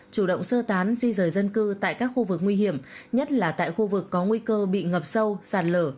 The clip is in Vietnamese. chủ động sơ tán di rời dân cư tại các khu vực nguy hiểm nhất là tại khu vực có nguy cơ bị ngập sâu sạt lở